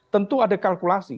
tentu ada kalkulasi